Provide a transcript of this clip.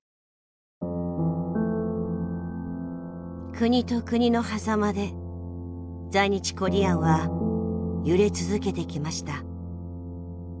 国と国のはざまで在日コリアンは揺れ続けてきました。